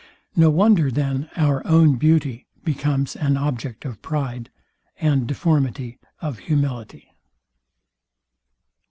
No wonder, then our own beauty becomes an object of pride, and deformity of humility.